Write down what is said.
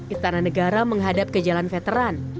istana negara menghadap ke jalan veteran